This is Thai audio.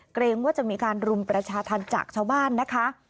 เกรงว่าจะมีการรุมประชาธรรมจากชาวบ้านนะคะ